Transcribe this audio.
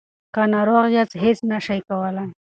که ناروغ یاست هیڅ نشئ کولای.